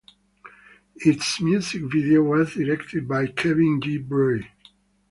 Its music video was directed by Kevin G. Bray.